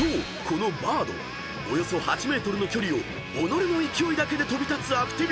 このバードおよそ８ｍの距離を己の勢いだけで飛び立つアクティビティ］